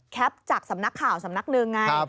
จากสำนักข่าวสำนักหนึ่งไง